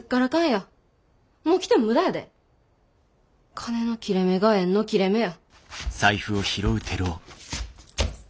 金の切れ目が縁の切れ目や。